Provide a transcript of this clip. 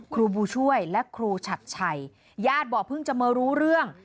ครูบุญช่วยและครูชัดชัยญาติบอกเพิ่งจะมารู้เรื่อง